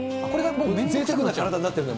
ぜいたくな体になっちゃうの。